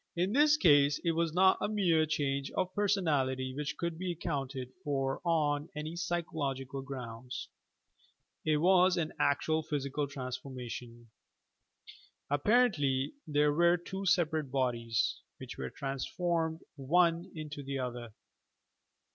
In this case it was not a mere change of personality which could be accounted for on any psychological grounds; it was an actual physical transformation. Ap parently there were two separate bodies, which were transformed one into the other